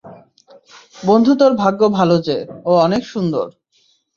বন্ধু তোর ভাগ্য ভালো যে, ও অনেক সুন্দর।